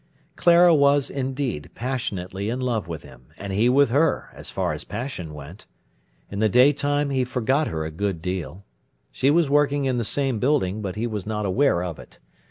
Clara was, indeed, passionately in love with him, and he with her, as far as passion went. In the daytime he forgot her a good deal. She was working in the same building, but he was not aware of it.